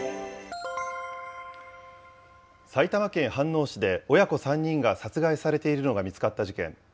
埼玉県飯能市で、親子３人が殺害されているのが見つかった事件。